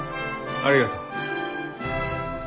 ありがとう。